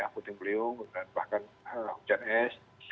puting beliung dan bahkan hujan es